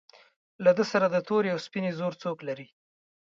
له ده سره د تورې او سپینې زور څوک لري.